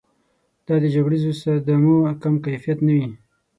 دا د جګړیزو صدمو کم کیفیت نه وي.